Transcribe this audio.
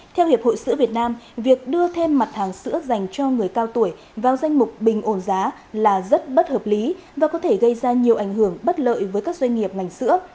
theo hiệp hội sữa việt nam việc đưa thêm mặt hàng sữa dành cho người cao tuổi vào danh mục bình ổn giá là rất bất hợp lý và có thể gây ra nhiều ảnh hưởng bất lợi với các doanh nghiệp ngành sữa